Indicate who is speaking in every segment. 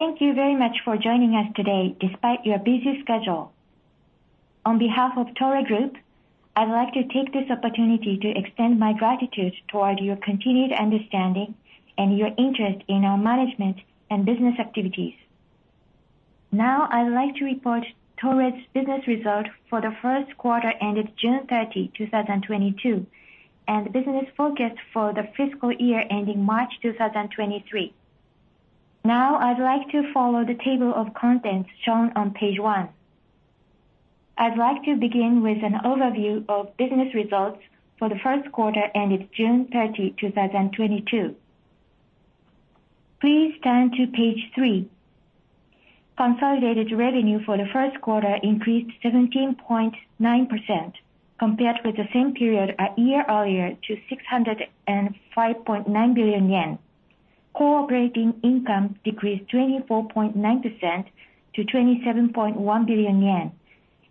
Speaker 1: Thank you very much for joining us today despite your busy schedule. On behalf of Toray Group, I'd like to take this opportunity to extend my gratitude toward your continued understanding and your interest in our management and business activities. Now I'd like to report Toray's business result for the first quarter ended June 30, 2022, and the business forecast for the fiscal year ending March 2023. Now I'd like to follow the table of contents shown on page one. I'd like to begin with an overview of business results for the first quarter ended June 30, 2022. Please turn to page three. Consolidated revenue for the first quarter increased 17.9% compared with the same period a year earlier to 605.9 billion yen. Core operating income decreased 24.9% to 27.1 billion yen,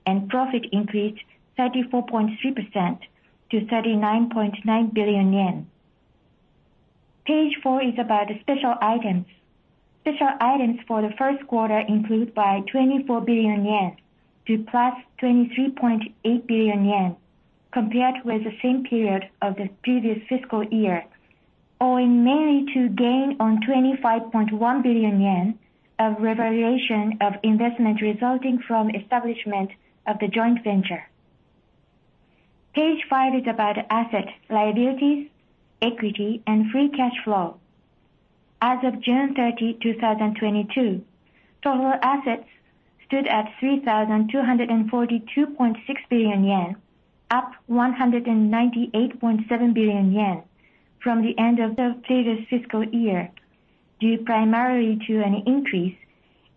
Speaker 1: and profit increased 34.3% to 39.9 billion yen. Page four is about the special items. Special items for the first quarter increased by 24 billion yen to +23.8 billion yen compared with the same period of the previous fiscal year, owing mainly to gain on 25.1 billion yen of revaluation of investment resulting from establishment of the joint venture. Page 5 is about assets, liabilities, equity and free cash flow. As of June 30, 2022, total assets stood at 3,242.6 billion yen, up 198.7 billion yen from the end of the previous fiscal year, due primarily to an increase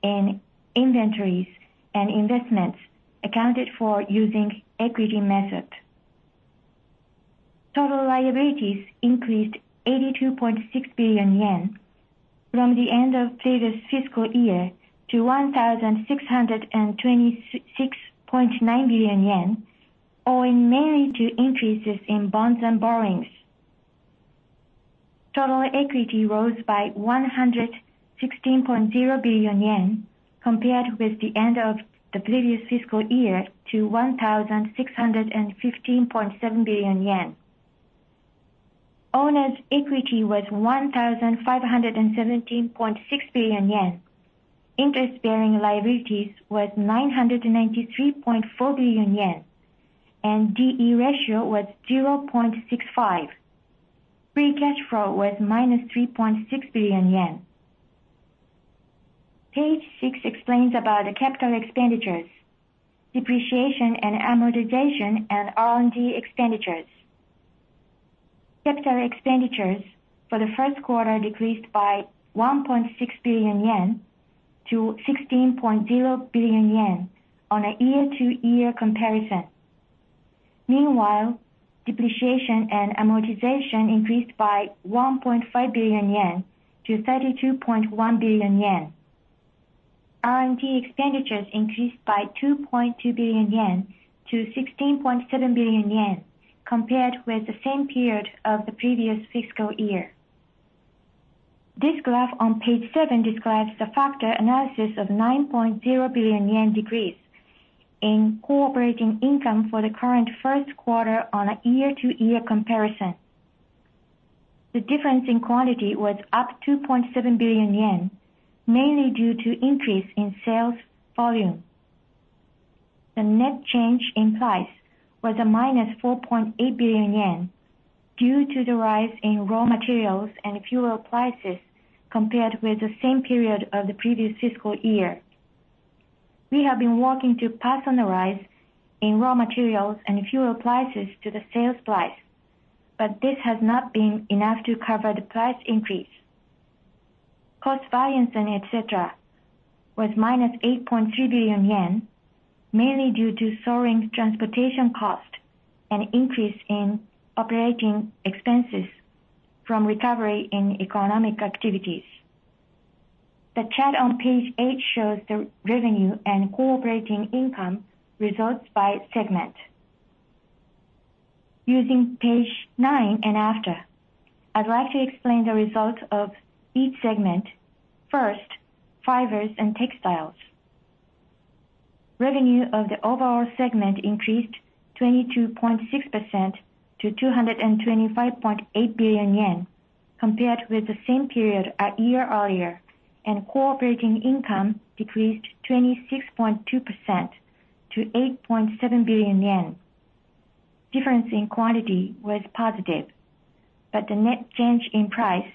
Speaker 1: in inventories and investments accounted for using equity method. Total liabilities increased 82.6 billion yen from the end of previous fiscal year to 1,626.9 billion yen, owing mainly to increases in bonds and borrowings. Total equity rose by 116.0 billion yen compared with the end of the previous fiscal year to 1,615.7 billion yen. Owners' equity was 1,517.6 billion yen. Interest-bearing liabilities was 993.4 billion yen, and D/E ratio was 0.65. Free cash flow was minus 3.6 billion yen. Page six explains about the capital expenditures, depreciation and amortization and R&D expenditures. Capital expenditures for the first quarter decreased by 1.6 billion yen to 16.0 billion yen on a year-to-year comparison. Meanwhile, depreciation and amortization increased by 1.5 billion yen to 32.1 billion yen. R&D expenditures increased by 2.2 billion yen to 16.7 billion yen compared with the same period of the previous fiscal year. This graph on page seven describes the factor analysis of 9.0 billion yen decrease in core operating income for the current first quarter on a year-to-year comparison. The difference in quantity was up 2.7 billion yen, mainly due to increase in sales volume. The net change in price was a minus 4.8 billion yen due to the rise in raw materials and fuel prices compared with the same period of the previous fiscal year. We have been working to pass on the rise in raw materials and fuel prices to the sales price, but this has not been enough to cover the price increase. Cost variance and et cetera was -8.3 billion yen, mainly due to soaring transportation cost and increase in operating expenses from recovery in economic activities. The chart on page eight shows the revenue and core operating income results by segment. Using page nine and after, I'd like to explain the results of each segment. First, Fibers and Textiles. Revenue of the overall segment increased 22.6% to 225.8 billion yen compared with the same period a year earlier, and core operating income decreased 26.2% to 8.7 billion yen. Difference in quantity was positive, but the net change in price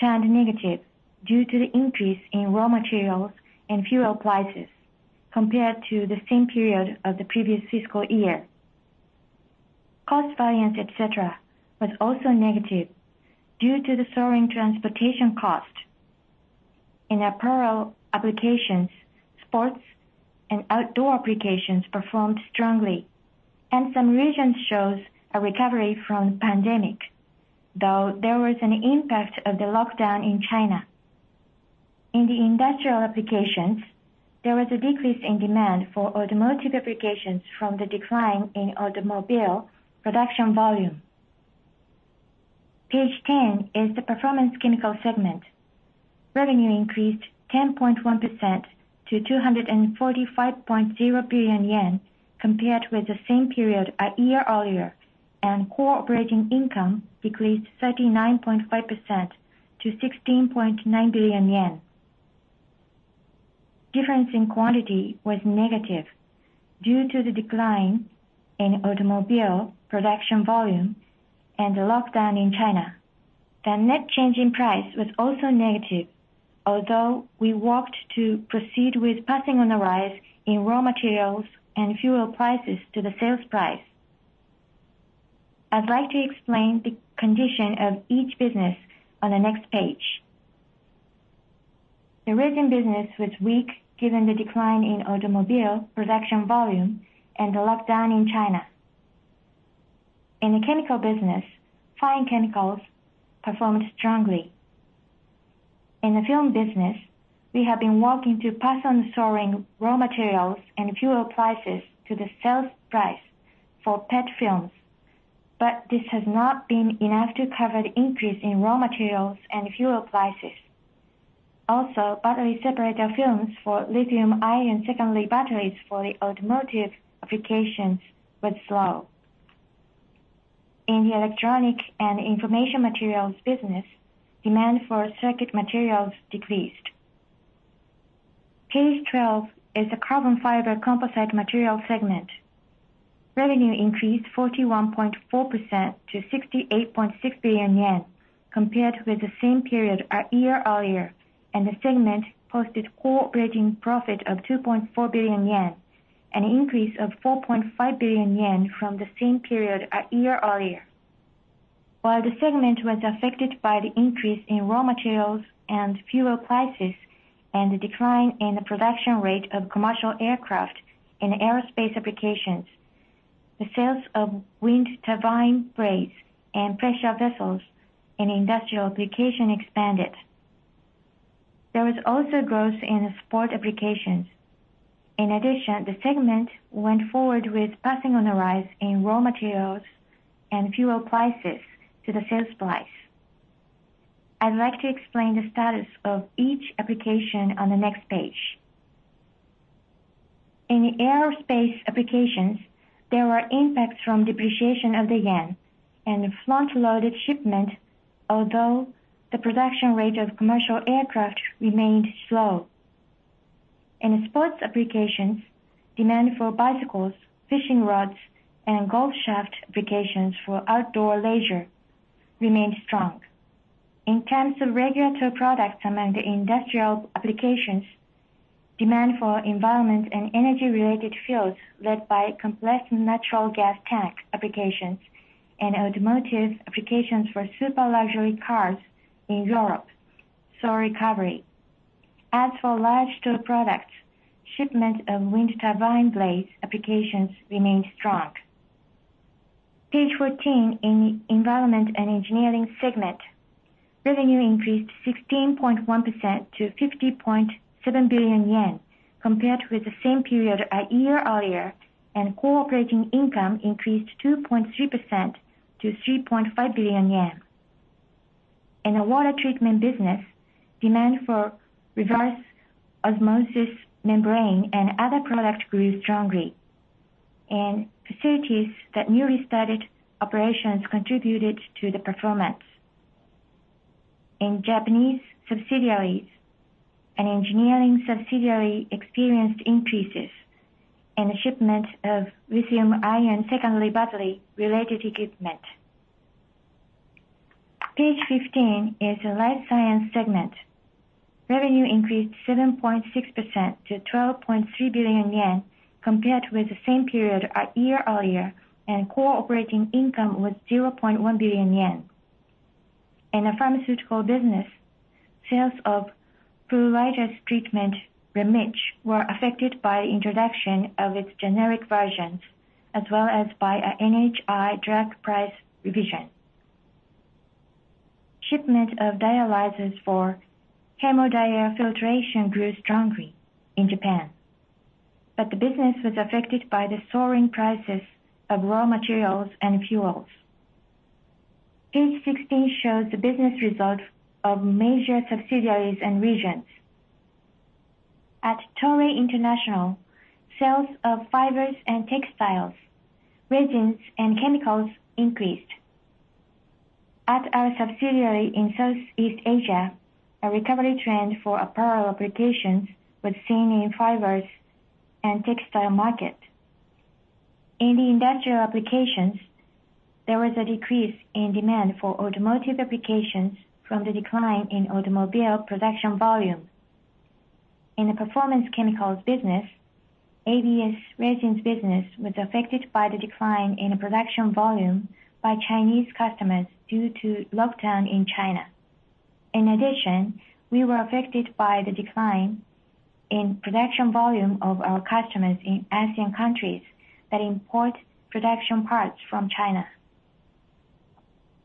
Speaker 1: turned negative due to the increase in raw materials and fuel prices compared to the same period of the previous fiscal year. Cost variance, et cetera, was also negative due to the soaring transportation cost. In apparel applications, sports and outdoor applications performed strongly, and some regions shows a recovery from the pandemic, though there was an impact of the lockdown in China. In the industrial applications, there was a decrease in demand for automotive applications from the decline in automobile production volume. Page 10 is the Performance Chemicals segment. Revenue increased 10.1% to 245.0 billion yen compared with the same period a year earlier, and core operating income decreased 39.5% to 16.9 billion yen. Difference in quantity was negative due to the decline in automobile production volume and the lockdown in China. The net change in price was also negative, although we worked to proceed with passing on the rise in raw materials and fuel prices to the sales price. I'd like to explain the condition of each business on the next page. The resin business was weak given the decline in automobile production volume and the lockdown in China. In the chemical business, fine chemicals performed strongly. In the film business, we have been working to pass on soaring raw materials and fuel prices to the sales price for PET films, but this has not been enough to cover the increase in raw materials and fuel prices. Also, battery separator films for lithium-ion secondary batteries for the automotive applications was slow. In the electronic and information materials business, demand for circuit materials decreased. Page 12 is the Carbon Fiber Composite Materials segment. Revenue increased 41.4% to 68.6 billion yen compared with the same period a year earlier, and the segment posted core operating profit of 2.4 billion yen, an increase of 4.5 billion yen from the same period a year earlier. While the segment was affected by the increase in raw materials and fuel prices and the decline in the production rate of commercial aircraft in aerospace applications, the sales of wind turbine blades and pressure vessels in industrial application expanded. There was also growth in sport applications. In addition, the segment went forward with passing on the rise in raw materials and fuel prices to the sales price. I'd like to explain the status of each application on the next page. In the aerospace applications, there were impacts from depreciation of the yen and front-loaded shipment, although the production rate of commercial aircraft remained slow. In sports applications, demand for bicycles, fishing rods, and golf shaft applications for outdoor leisure remained strong. In terms of regular tow products among the industrial applications, demand for environment and energy related fields led by compressed natural gas tank applications and automotive applications for super luxury cars in Europe saw recovery. As for large tow products, shipment of wind turbine blades applications remained strong. Page 14. In Environment & Engineering segment, revenue increased 16.1% to 50.7 billion yen compared with the same period a year earlier, and core operating income increased 2.3% to 3.5 billion yen. In the water treatment business, demand for reverse osmosis membrane and other product grew strongly, and facilities that newly started operations contributed to the performance. In Japanese subsidiaries and engineering subsidiary experienced increases in the shipment of lithium-ion secondary battery related equipment. Page 15 is the Life Science segment. Revenue increased 7.6% to 12.3 billion yen compared with the same period a year earlier and core operating income was 0.1 billion yen. In the pharmaceutical business, sales of pruritus treatment, REMITCH, were affected by introduction of its generic versions as well as by a NHI drug price revision. Shipment of dialyzers for hemodiafiltration grew strongly in Japan, but the business was affected by the soaring prices of raw materials and fuels. Page 16 shows the business results of major subsidiaries and regions. At Toray International, sales of fibers and textiles, resins, and chemicals increased. At our subsidiary in Southeast Asia, a recovery trend for apparel applications was seen in fibers and textiles market. In the industrial applications, there was a decrease in demand for automotive applications from the decline in automobile production volume. In the Performance Chemicals business, ABS resins business was affected by the decline in production volume by Chinese customers due to lockdown in China. In addition, we were affected by the decline in production volume of our customers in ASEAN countries that import production parts from China.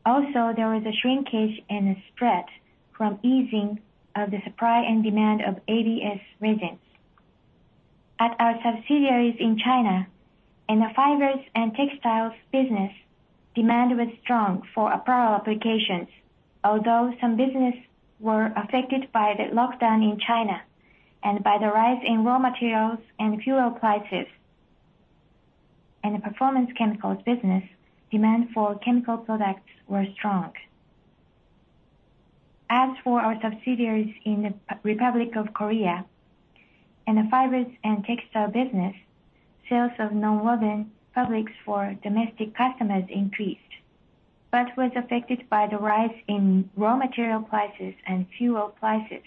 Speaker 1: Also, there was a shrinkage in the spread from easing of the supply and demand of ABS resins. At our subsidiaries in China, in the Fibers and Textiles business, demand was strong for apparel applications, although some business were affected by the lockdown in China and by the rise in raw materials and fuel prices. In the Performance Chemicals business, demand for chemical products were strong. As for our subsidiaries in the Republic of Korea, in the Fibers and Textiles business, sales of nonwoven fabrics for domestic customers increased, but was affected by the rise in raw material prices and fuel prices.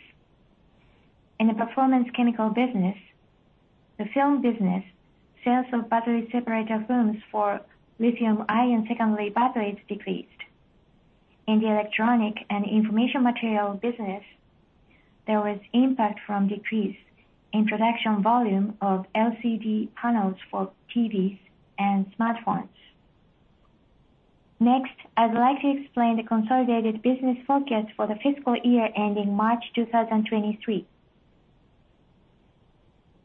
Speaker 1: In the Performance Chemicals business, the film business, sales of battery separator films for lithium-ion secondary batteries decreased. In the electronic and information material business, there was impact from decreased introduction volume of LCD panels for TVs and smartphones. Next, I'd like to explain the consolidated business forecast for the fiscal year ending March 2023.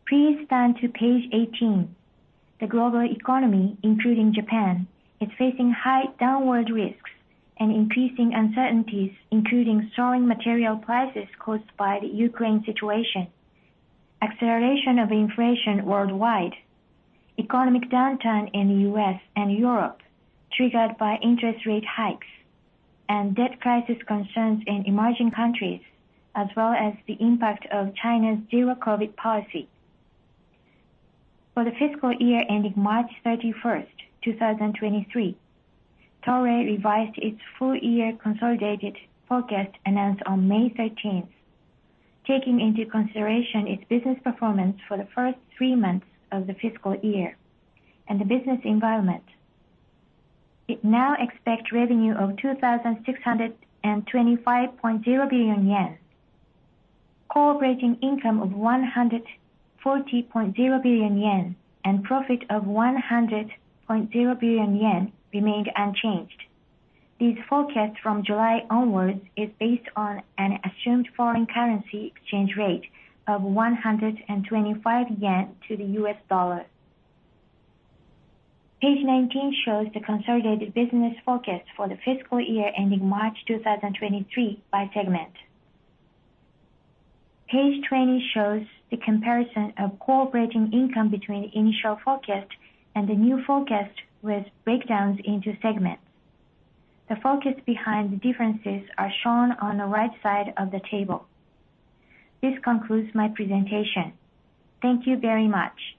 Speaker 1: Please turn to page 18. The global economy, including Japan, is facing high downward risks and increasing uncertainties, including soaring material prices caused by the Ukraine situation, acceleration of inflation worldwide, economic downturn in the U.S. and Europe triggered by interest rate hikes, and debt crisis concerns in emerging countries, as well as the impact of China's zero COVID policy. For the fiscal year ending March 31, 2023, Toray revised its full year consolidated forecast announced on May 13. Taking into consideration its business performance for the first three months of the fiscal year and the business environment, it now expects revenue of 2,625.0 billion yen, operating income of 140.0 billion yen, and profit of 100.0 billion yen remained unchanged. These forecasts from July onwards are based on an assumed foreign currency exchange rate of 125 yen to the U.S. dollar. Page 19 shows the consolidated business forecast for the fiscal year ending March 2023 by segment. Page 20 shows the comparison of operating income between initial forecast and the new forecast with breakdowns into segments. The factors behind the differences are shown on the right side of the table. This concludes my presentation. Thank you very much.